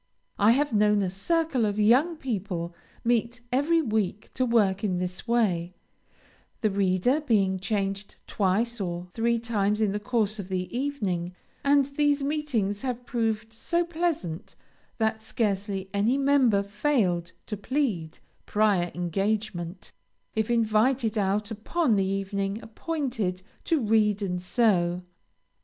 I have known a circle of young people meet every week to work in this way, the reader being changed twice or three times in the course of the evening, and these meetings have proved so pleasant, that scarcely any member failed to plead "prior engagement" if invited out upon the evening appointed to read and sew.